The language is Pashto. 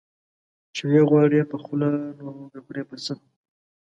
چي وې غواړې په خوله، نو وبې خورې په څه؟